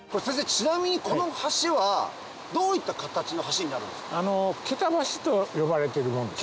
ちなみにこの橋はどういった形の橋になるんですか。と呼ばれているものです。